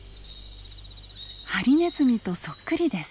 ハリネズミとそっくりです。